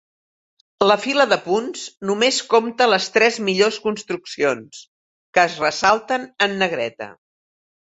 La fila de punts només compta les tres millors construccions, que es ressalten en negreta.